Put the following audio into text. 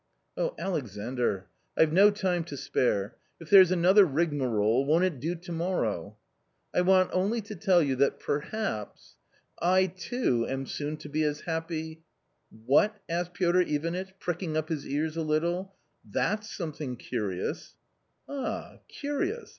Oh, Alexandr, I've no time to spare ; if there's another rigmarole, won't it do to morrow ?"" I want only to tell you that perhaps .... I too am soon to be as happy "" What ?" asked Piotr Ivanitch, pricking up his ears a little, "that's something curious." "Ah! curious?